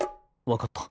分かった。